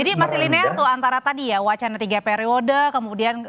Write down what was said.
jadi masih linear tuh antara tadi ya wacana tiga periode kemudian